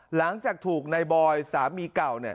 หลังจากถูกนายบอยสามีเก่า